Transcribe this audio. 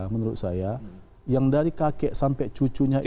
menurut saya yang dari kakek sampai cucunya itu